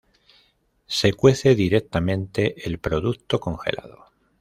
Se cuece directamente el producto congelado.